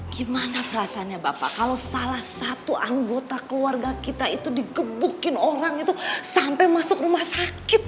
gimana perasaannya bapak kalau salah satu anggota keluarga kita itu digebukin orang itu sampai masuk rumah sakit